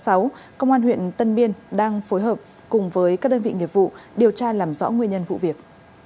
công an huyện tân biên đang phối hợp cùng với các đơn vị nghiệp vụ điều tra làm rõ nguyên nhân vụ việc